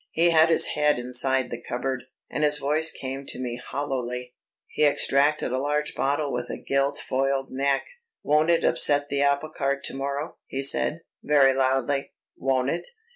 He had his head inside the cupboard, and his voice came to me hollowly. He extracted a large bottle with a gilt foiled neck. "Won't it upset the apple cart to morrow," he said, very loudly; "won't it?"